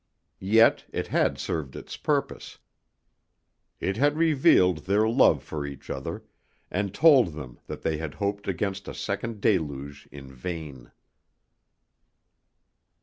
Yet it had served its purpose. It had revealed their love for each other, and told them that they had hoped against a second deluge in vain.